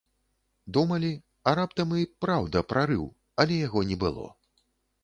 Думалі, а раптам і, праўда, прарыў, але яго не было.